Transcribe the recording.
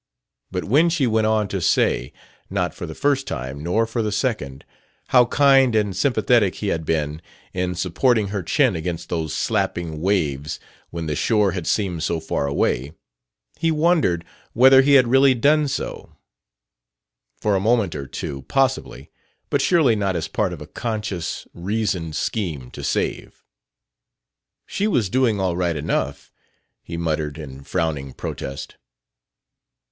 But when she went on to say not for the first time, nor for the second how kind and sympathetic he had been in supporting her chin against those slapping waves when the shore had seemed so far away, he wondered whether he had really done so. For a moment or two, possibly; but surely not as part of a conscious, reasoned scheme to save. "She was doing all right enough," he muttered in frowning protest.